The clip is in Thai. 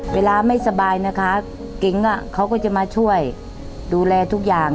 เวลาไม่สบายนะคะเก๋งเขาก็จะมาช่วยดูแลทุกอย่าง